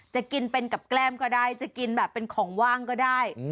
จะกินเป็นกับแก้มก็ได้จะกินแบบเป็นของว่างก็ได้